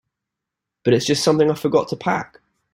But it's just something I forgot to pack.